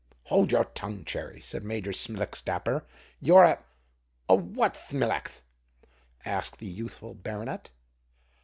"Hold your tongue, Cherry," said Major Smilax Dapper. "You're a——" "A what, Thmilackth?" asked the youthful baronet.